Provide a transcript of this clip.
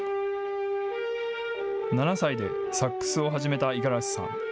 ７歳でサックスを始めた五十嵐さん。